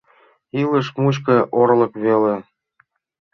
Илыш мучко орлык веле.